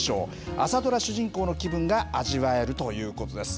朝ドラ主人公の気分が味わえるということです。